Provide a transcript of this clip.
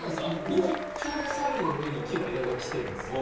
右ちょうど猿の上に木の枝がきてるんですよ。